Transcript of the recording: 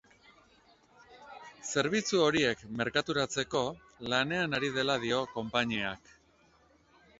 Zerbitzu horiek merkaturatzeko lanean ari dela dio konpainiak.